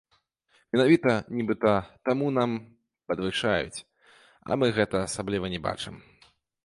Менавіта, нібыта, таму нам падвышаюць, а мы гэтага асабліва не бачым.